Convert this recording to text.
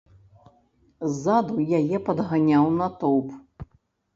Ззаду яе падганяў натоўп.